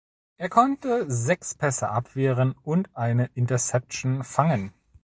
Er konnte sechs Pässe abwehren und eine Interception fangen.